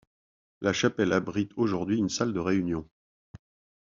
La chapelle abrite aujourd'hui une salle de réunion.